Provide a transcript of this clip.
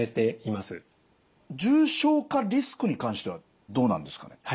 重症化リスクに関してはどうなんですかね？